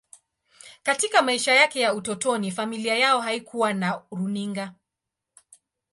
Katika maisha yake ya utotoni, familia yao haikuwa na runinga.